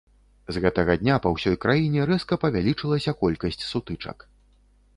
З гэтага дня па ўсёй краіне рэзка павялічылася колькасць сутычак.